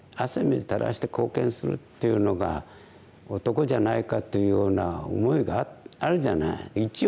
汗水たらして貢献するっていうのが男じゃないかっていうような思いがあるじゃない。